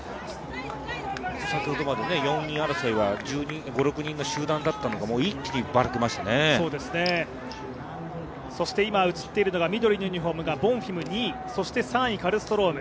先ほどまで４位争いは１０人くらいの争いだったのにそして今、映っているのが緑のユニフォームがボンフィム２位３位カルストローム。